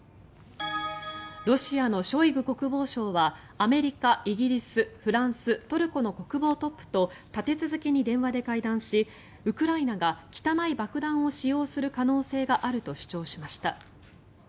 ロシアのショイグ国防相はアメリカ、イギリス、フランストルコの国防トップと立て続けに電話で会談しウクライナが汚い爆弾を使用する可能性があると主張しました。